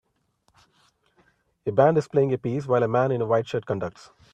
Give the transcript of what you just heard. A band is playing a piece while a man in a white shirt conducts.